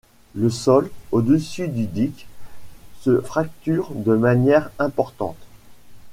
Le sol, au-dessus du dyke, se fracture de manière importante.